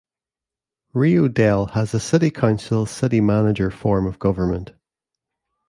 Rio Dell has a City Council - City Manager form of government.